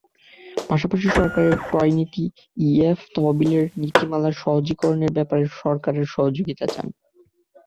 পাশাপাশি সরকারের ক্রয়নীতি, ইইএফ তহবিলের নীতিমালা সহজীকরণের ব্যাপারে সরকারের সহযোগিতা চান।